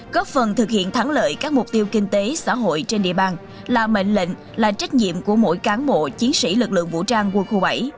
góp phần thực hiện thắng lợi các mục tiêu kinh tế xã hội trên địa bàn là mệnh lệnh là trách nhiệm của mỗi cán bộ chiến sĩ lực lượng vũ trang quân khu bảy